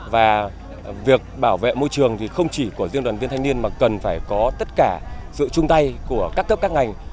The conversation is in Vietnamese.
và việc bảo vệ môi trường thì không chỉ của riêng đoàn viên thanh niên mà cần phải có tất cả sự chung tay của các cấp các ngành